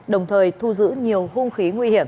đồng thời thu giữ nhiều hung khí nguy hiểm